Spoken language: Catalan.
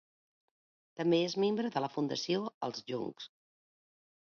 També és membre de la Fundació Els Joncs.